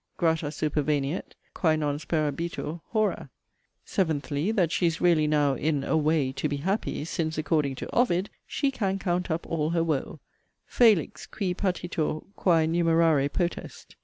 'Grata superveniet, quæ non sperabitur, hora.' SEVENTHLY, That she is really now in 'a way' to be 'happy,' since, according to 'Ovid,' she 'can count up all her woe': 'Felix, qui patitur quæ numerare potest.'